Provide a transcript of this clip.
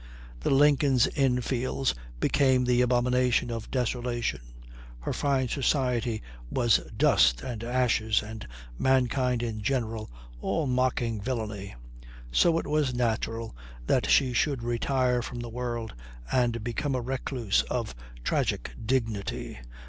The Lincoln's Inn Fields became the abomination of desolation, her fine society was dust and ashes and mankind in general all mocking villainy. So it was natural that she should retire from the world and become a recluse of tragic dignity.